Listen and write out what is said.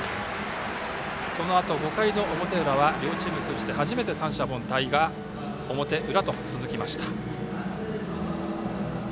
そのあと５回の表裏は両チーム通じて初めて三者凡退が表裏と続きました。